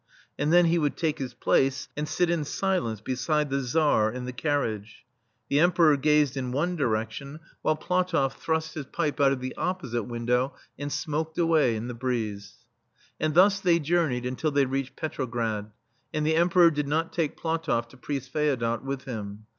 * And then he would take his place,, and sit in silence beside the Tzar in the carriage. The Emperor gazed in one direction, while Platoff * ZhukolF is a very coarse, Russian grown tobacco. THE STEEL FLEA thrust his pipe out of the opposite win dow and smoked away in the breeze. And thus they journeyed until they reached Petrograd; and the Emperor did not take PlatofF to Priest Feodot with him.